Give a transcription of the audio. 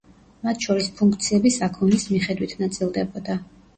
მათ შორის ფუნქციები საქონლის მიხედვით ნაწილდებოდა.